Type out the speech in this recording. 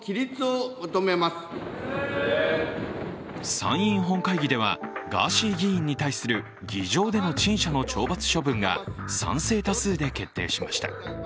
参院本会議では、ガーシー議員に対する、議場での陳謝の懲罰処分が賛成多数で決定しました。